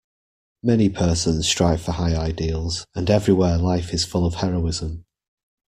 Many persons strive for high ideals, and everywhere life is full of heroism.